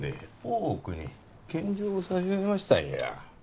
大奥に献上差し上げましたんや。